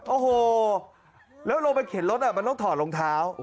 โอ้โหแล้วลงไปเข็นรถมันต้องถอดรองเท้า